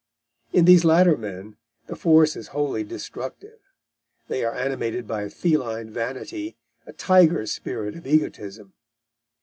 In these latter men the force is wholly destructive; they are animated by a feline vanity, a tiger spirit of egotism.